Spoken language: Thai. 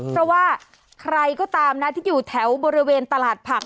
เพราะว่าใครก็ตามนะที่อยู่แถวบริเวณตลาดผัก